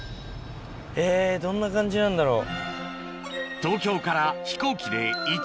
へぇどんな感じなんだろう。